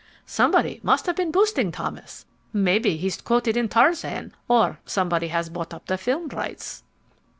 Somebody must have been boosting Thomas! Maybe he's quoted in Tarzan, or somebody has bought up the film rights."